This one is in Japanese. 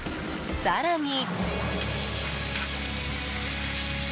更に。